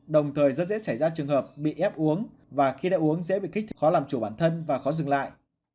đồng thời rất dễ xảy ra trường hợp bị ép uống và khi đã uống dễ bị kích khó làm chủ bản thân và khó dừng lại